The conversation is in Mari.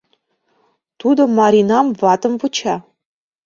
Тудо Маринам ватым вуча.